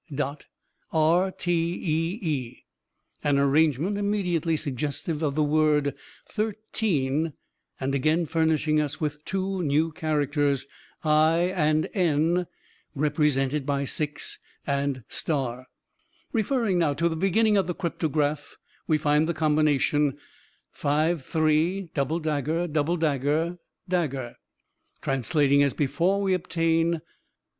rtee, an arrangement immediately suggestive of the word 'thirteen,' and again furnishing us with two new characters, i and n, represented by 6 and *. "Referring, now, to the beginning of the cryptograph, we find the combination, 53[double dagger][double dagger][dagger]. "Translating as before, we obtain